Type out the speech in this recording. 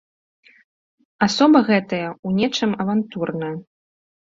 Асоба гэтая ў нечым авантурная.